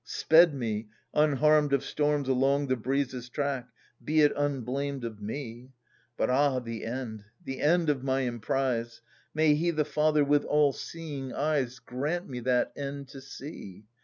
Sped me, unharmed of storms, along the breeze's track Be it unblamed of me ! But ah, the end, the end of my emprise ! May He, the Father, with all seeing eyes, THE SUPPLIANT MAIDENS. Grant me that end to see